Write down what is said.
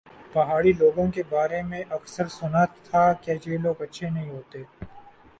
پہاڑی لوگوں کے بارے میں اکثر سنا تھا کہ یہ لوگ اچھے نہیں ہوتے